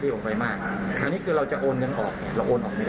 ออกไปมากอันนี้คือเราจะโอนเงินออกเราโอนออกไม่ได้